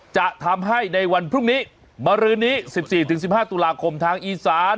จะทำให้ในวันพรุ่งนี้มารื้อนี้๑๔๑๕ตุลาคมทางอีสาน